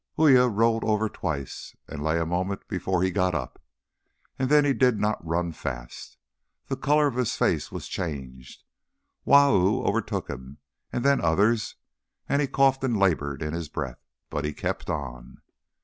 Uya rolled over twice, and lay a moment before he got up, and then he did not run fast. The colour of his face was changed. Wau overtook him, and then others, and he coughed and laboured in his breath. But he kept on.